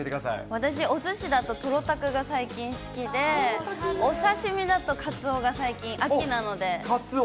私、おすしだとトロタクが最近好きで、お刺身だとカツオが最近、秋なのカツオ。